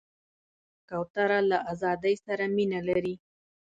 کوتره له آزادۍ سره مینه لري.